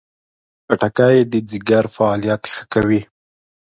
خټکی د ځیګر فعالیت ښه کوي.